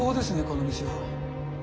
この店は。